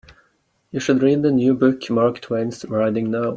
You should read the new book Mark Twain's writing now.